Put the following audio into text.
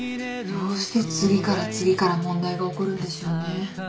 どうして次から次から問題が起こるんでしょうね。